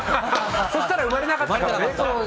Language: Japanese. そしたら、生まれなかったかも。